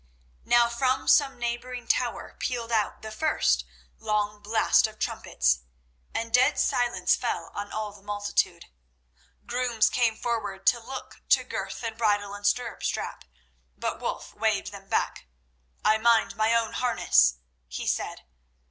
Now from some neighbouring tower pealed out the first long blast of trumpets, and dead silence fell on all the multitude. Grooms came forward to look to girth and bridle and stirrup strap, but Wulf waved them back. "I mind my own harness," he said.